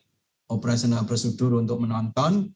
ada operasional prosedur untuk menonton